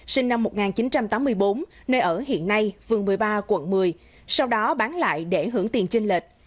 sinh năm một nghìn chín trăm tám mươi bốn nơi ở hiện nay phường một mươi ba quận một mươi sau đó bán lại để hưởng tiền trên lệch